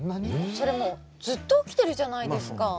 それもうずっと起きてるじゃないですか。